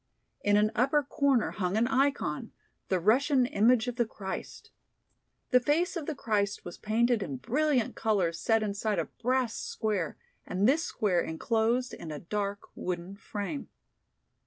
In an upper corner hung an ikon, the Russian image of the Christ. The face of the Christ was painted in brilliant colors set inside a brass square and this square enclosed in a dark wooden frame.